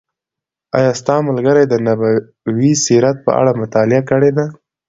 آیا ستا ملګري د نبوي سیرت په اړه مطالعه کړې ده؟